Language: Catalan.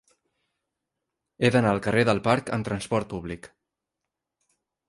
He d'anar al carrer del Parc amb trasport públic.